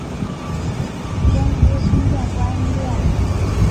捐资新建观音殿。